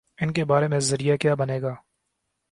ان کے بارے میں ذریعہ کیا بنے گا؟